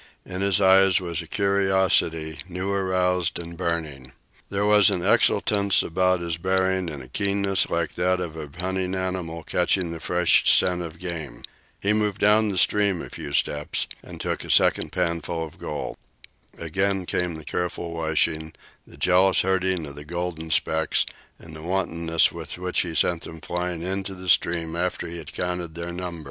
In his eyes was a curiosity, new aroused and burning. There was an exultance about his bearing and a keenness like that of a hunting animal catching the fresh scent of game. He moved down the stream a few steps and took a second panful of dirt. Again came the careful washing, the jealous herding of the golden specks, and the wantonness with which he sent them flying into the stream.